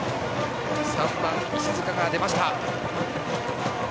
３番・石塚が出ました。